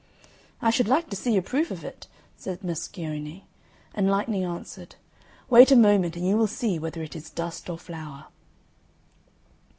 "I should like to see a proof of it," said Moscione; and Lightning answered, "Wait a moment, and you will see whether it is dust or flour."